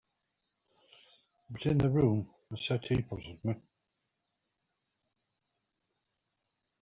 But in the room the settee puzzled me.